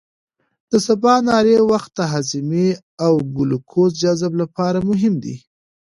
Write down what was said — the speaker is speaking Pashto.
د سباناري وخت د هاضمې او ګلوکوز جذب لپاره مهم دی.